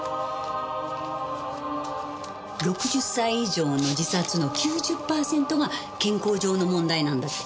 ６０歳以上の自殺の９０パーセントが健康上の問題なんだって。